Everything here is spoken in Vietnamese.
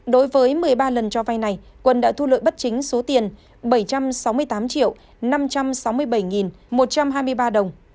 đối với một mươi ba lần cho vay này quân đã thu lợi bất chính số tiền bảy trăm sáu mươi tám triệu năm trăm sáu mươi bảy một trăm hai mươi ba đồng